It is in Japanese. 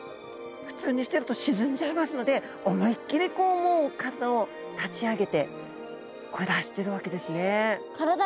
普通にしてると沈んじゃいますので思いっきりこうもう体を立ち上げて暮らしてるわけですね。